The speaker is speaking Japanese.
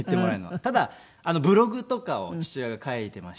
ただブログとかを父親が書いていまして。